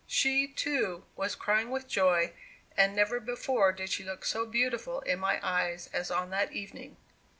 She, too, was crying with joy, and never before did she look so beautiful in my eyes as on that evening.